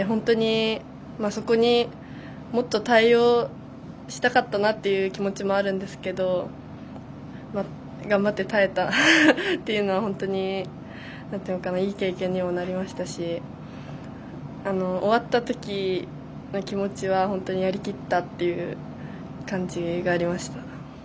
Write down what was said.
そこにもっと対応したかったなという気持ちもあるんですけど頑張って耐えたというのは本当にいい経験にもなりますし終わった時の気持ちは本当にやりきったという感じがありました。